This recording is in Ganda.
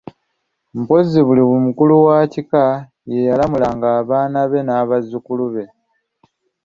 Mpozzi buli mukulu wa kika ye yalamulanga abaana be n'abazzukulu be.